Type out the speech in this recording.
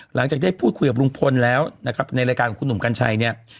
หลังจากได้พูดคุยกับลุงพลแล้วนะครับในรายการของคุณหนุ่มกัญชัยเนี่ย